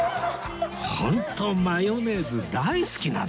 ホントマヨネーズ大好きなんですね